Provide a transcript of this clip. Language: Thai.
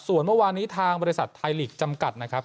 ส่วนเมื่อวานนี้ทางบริษัทไทยลีกจำกัดนะครับ